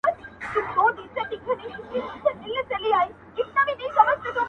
جهاني څه ویل رویبار په ماته، ماته ژبه؛